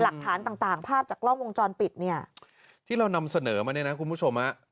หลักฐานต่างต่างภาพจากกล้องวงจรปิดเนี่ยที่เรานำเสนอมาเนี่ยนะคุณผู้ชมฮะ